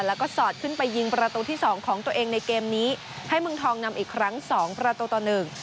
แล้วก็สอดขึ้นไปยิงประตูที่สองของตัวเองในเกมนี้ให้เมืองทองนำอีกครั้งสองประตูต่อหนึ่ง